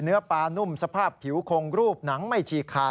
เนื้อปลานุ่มสภาพผิวคงรูปหนังไม่ฉีกขาด